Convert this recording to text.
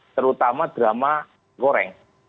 terutama drama goreng